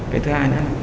cái thứ hai